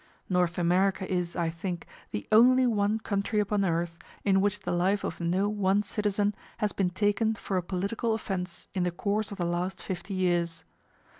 North America is, I think, the only one country upon earth in which the life of no one citizen has been taken for a political offence in the course of the last fifty years.